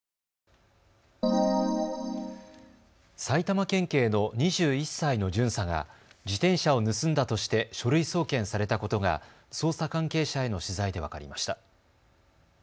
埼玉県警の２１歳の巡査が自転車を盗んだとして書類送検されたことが捜査関係者への取材で分かりました。